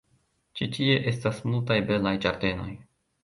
Ĉi tie estas multaj belaj ĝardenoj.